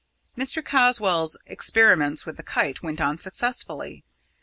Mr. Caswall's experiments with the kite went on successfully.